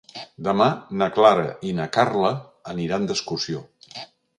Demà na Clara i na Carla aniran d'excursió.